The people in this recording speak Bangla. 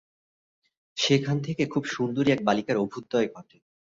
সেখান থেকে খুব সুন্দরী এক বালিকার অভ্যুদয় ঘটে।